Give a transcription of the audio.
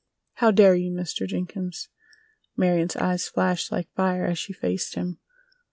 "How dare you, Mr. Jenkins!" Marion's eyes flashed like fire as she faced him.